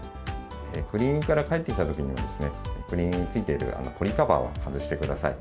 クリーニングから帰ってきたときには、クリーニングについているポリカバーは外してください。